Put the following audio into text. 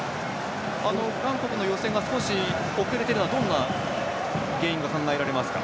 韓国の寄せが少し遅れているのはどんな原因が考えられますか？